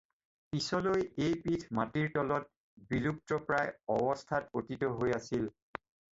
পিছলৈ এই পীঠ মাটিৰ তলত বিলুপ্তপ্ৰায় অৱস্থাত পতিত হৈ আছিল।